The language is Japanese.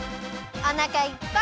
おなかいっぱい！